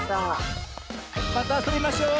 またあそびましょう。